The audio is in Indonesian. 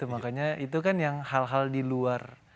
makanya itu kan hal hal yang diluar